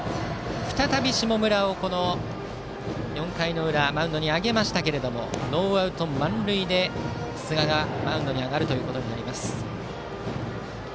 再び下村を４回の裏マウンドに上げましたがノーアウト満塁で寿賀がマウンドに上がります。